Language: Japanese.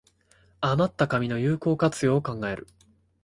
あまった紙の有効活用を考える